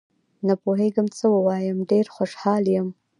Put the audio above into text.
نه پوهېږم څه ووایم، ډېر خوشحال یم